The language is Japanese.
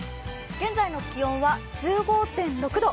現在の気温は１５．６度。